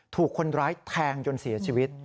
ถูกคนร้ายแทงจนเสียชีวิต